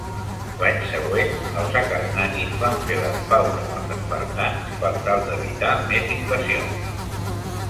L'any següent, els acarnanis van fer les paus amb els espartans per tal d'evitar més invasions.